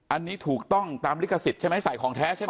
อันนี้ถูกต้องตามลิขสิทธิ์ใช่ไหมใส่ของแท้ใช่ไหม